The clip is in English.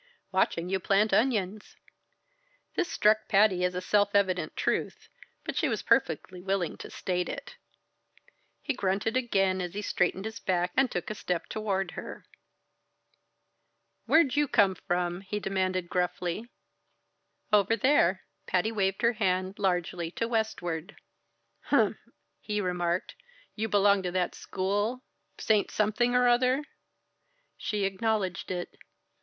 "Watching you plant onions." This struck Patty as a self evident truth, but she was perfectly willing to state it. He grunted again as he straightened his back and took a step toward her. "Where'd you come from?" he demanded gruffly. "Over there." Patty waved her hand largely to westward. "Humph!" he remarked. "You belong to that school Saint Something or Other?" She acknowledged it.